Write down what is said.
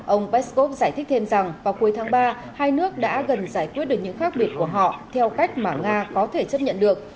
ông peskov giải thích thêm rằng vào cuối tháng ba hai nước đã gần giải quyết được những khác biệt của họ theo cách mà nga có thể chấp nhận được